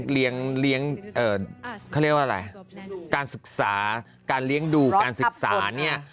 เลี้ยงเขาเรียกว่าอะไรการศึกษาการเลี้ยงดูการศึกษาเนี่ย